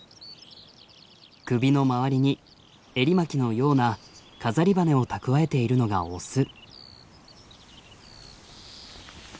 首の周りにエリマキのような飾り羽根を蓄えているのがオス。